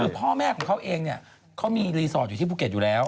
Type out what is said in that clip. คือพ่อแม่ของเขาเองเนี่ยเขามีรีสอร์ทอยู่ที่ภูเก็ตอยู่แล้ว